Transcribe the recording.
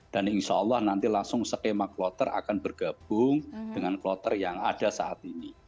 dan insya allah nanti langsung skema kloter akan bergabung dengan kloter yang ada saat ini